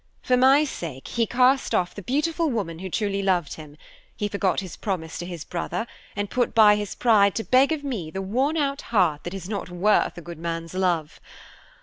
For my sake he cast off the beautiful woman who truly loved him; he forgot his promise to his brother, and put by his pride to beg of me the worn out heart that is not worth a good man's love.